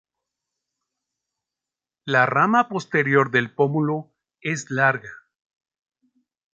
La rama posterior del pómulo es larga.